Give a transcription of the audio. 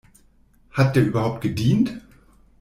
Hat der überhaupt gedient?